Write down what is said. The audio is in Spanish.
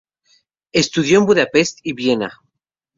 Estudió en Budapest y en Viena.